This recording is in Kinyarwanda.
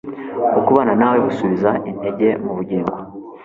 ukubana nawe gusubiza intege mu bugingo,